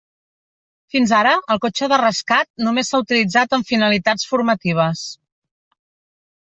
Fins ara, el cotxe de rescat només s'ha utilitzat amb finalitats formatives.